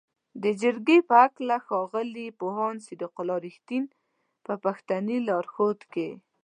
جرګې په هکله ښاغلي پوهاند صدیق الله "رښتین" په پښتني لارښود کې